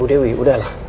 bu dewi udah lah